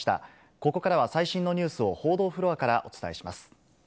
ここからは最新のニュースを報道フロアからお伝えします。